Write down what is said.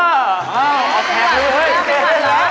อ้าวฮัชชาเจ๊ภัน่า